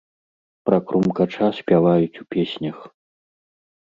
Пра крумкача спяваюць у песнях.